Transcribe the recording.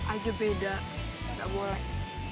aja beda gak boleh